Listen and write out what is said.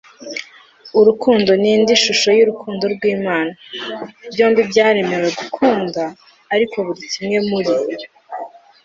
urukundo ni indi shusho y'urukundo rw'imana. byombi byaremewe gukunda, ariko buri kimwe muri